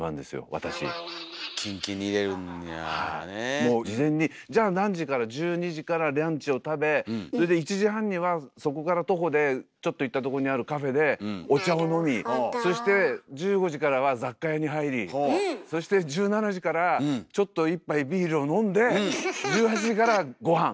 もう事前にじゃあ何時から１２時からランチを食べそれで１時半にはそこから徒歩でちょっと行ったとこにあるカフェでお茶を飲みそして１５時からは雑貨屋に入りそして１７時からちょっと一杯ビールを飲んで１８時からごはん！